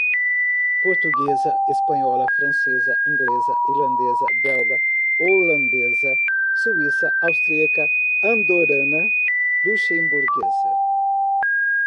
Portuguesa, Espanhola, Francesa, Inglesa, Irlandesa, Belga, Holandesa, Suíça, Austríaca, Andorrana, Luxemburguesa.